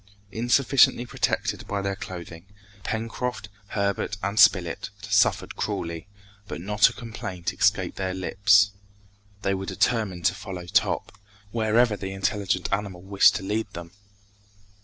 Insufficiently protected by their clothing, Pencroft, Herbert and Spilett suffered cruelly, but not a complaint escaped their lips. They were determined to follow Top, wherever the intelligent animal wished to lead them.